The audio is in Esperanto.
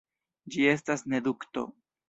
Ĝi estas ne dukto.